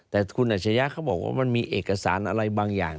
แต่คุณอัชยะเขาบอกว่ามันมีเอกสารอะไรบางอย่าง